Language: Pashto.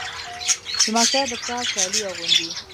لمسی د پلار کالي اغوندي.